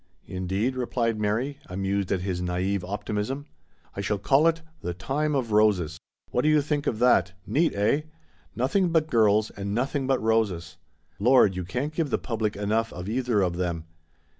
"Indeed?" replied Mary, amused at his naive optimism. "I shall call it 'The Time of Roses.' What do you think of that ? Neat, eh ? Nothing but girls, and nothing but roses. Lord, you can't give the public enough of either of them.